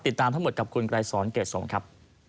ติดตามทั้งหมดกับคุณไกรสอนเกรดส่งครับ